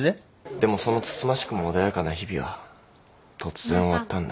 でもそのつつましくも穏やかな日々は突然終わったんだ。